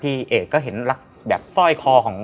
พี่เอกก็เห็นแบบสร้อยคอของ